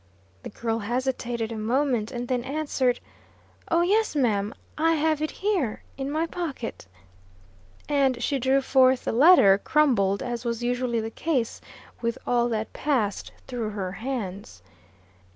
The girl hesitated a moment, and then answered: "Oh, yes, ma'am. I have it here in my pocket." And she drew forth the letter, crumbled, as was usually the case with all that passed through her hands.